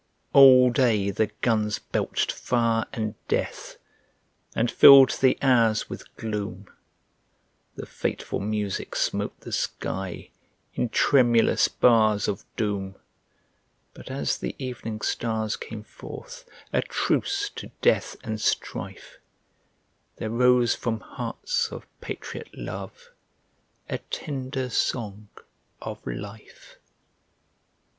ALL day the guns belched fire and death And filled the hours with gloom; The fateful music smote the sky In tremulous bars of doom ; But as the evening stars came forth A truce to death and strife, There rose from hearts of patriot love A tender song of life.